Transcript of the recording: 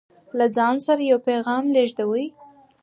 له ځان سره يو پيغام لېږدوي